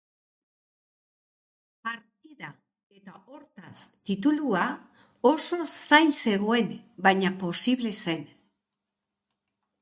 Partida eta hortaz, titulua, oso zail zegoen baina posible zen.